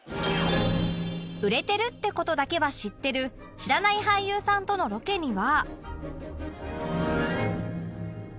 売れてるって事だけは知ってる知らない俳優さんとのロケには